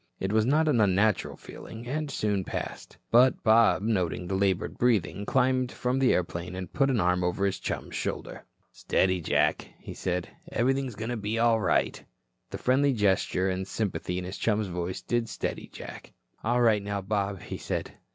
It was a not unnatural feeling, and soon passed, but Bob noting the labored breathing climbed from the airplane and put an arm over his chum's shoulder. "Steady, Jack," he said. "Everything's going to be all right." The friendly gesture and the sympathy in his chum's voice did steady Jack. "All right, now, Bob," he said.